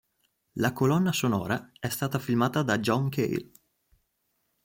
La colonna sonora è stata filmata da John Cale.